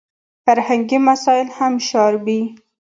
فرهنګي مسایل هم شاربي.